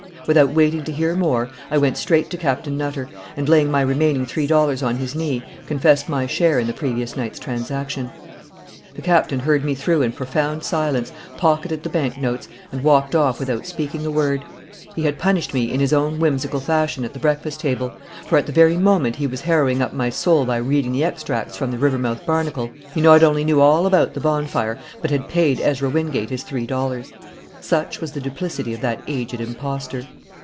Without waiting to hear more, I went straight to Captain Nutter, and, laying my remaining three dollars on his knee, confessed my share in the previous night's transaction. The Captain heard me through in profound silence, pocketed the bank notes, and walked off without speaking a word. He had punished me in his own whimsical fashion at the breakfast table, for, at the very moment he was harrowing up my soul by reading the extracts from the Rivermouth Barnacle, he not only knew all about the bonfire, but had paid Ezra Wingate his three dollars. Such was the duplicity of that aged impostor.